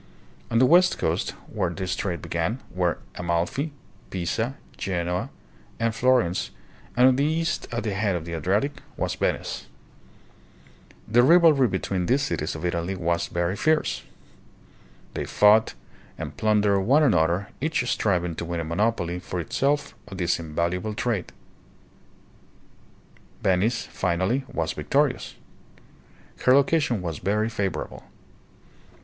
On the west coast, where this trade began, were Amalfi, Pisa, Genoa, and Florence, and on the east, at the head of the Adriatic, was Venice. The rivalry between these cities of Italy was very fierce. They fought and plundered one another, each striving to win a monopoly for itself of this invaluable trade. Venice, finally, was victorious. Her location was very favorable.